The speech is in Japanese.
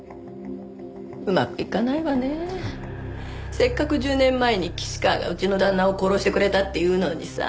せっかく１０年前に岸川がうちの旦那を殺してくれたっていうのにさ。